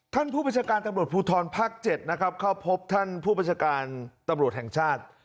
ผู้บัญชาการตำรวจภูทรภาค๗นะครับเข้าพบท่านผู้บัญชาการตำรวจแห่งชาติ